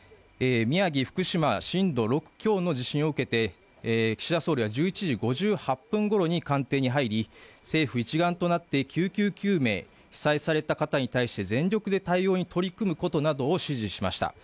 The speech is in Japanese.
宮城、福島震度６強の地震を受けて岸田総理は１１時５８分ごろに官邸に入り、政府一丸となって救急救命、被災された方に対して全力で対応に取り組むことなどを指示しました。